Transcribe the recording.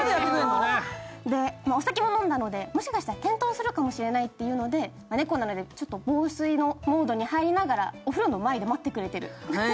お酒も飲んだのでもしかしたら転倒するかもしれないということで猫なので防水のモードに入りながら、お風呂の前で待ってくれてる。